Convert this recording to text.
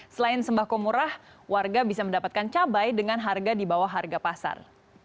selain sembako murah warga bisa mendapatkan cabai dengan harga di bawah harga pasar